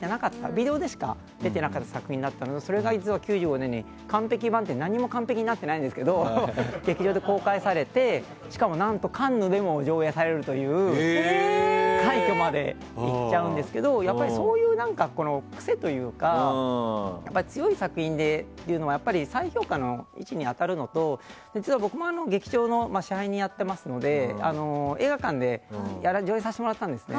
ビデオでしか出てなかった作品だったんですがそれが実は、９５年に完璧版っていう何も完璧になってないんですけど劇場で公開されてしかも、カンヌでも上映されるという快挙までいっちゃうんですけどそういう癖というかそれが強い作品っていうのは再評価の位置に当たるのと僕も劇場の支配人をやっていますので映画館で上映させてもらったんですよね。